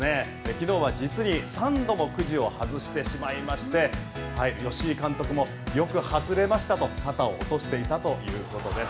昨日は実に３度もくじを外してしまいまして吉井監督もよく外れましたと肩を落としていたということです。